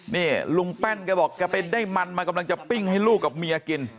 นี่ลุงแป้นแกบอกแกไปได้มันมากำลังจะปิ้งให้ลูกกับเมียกิน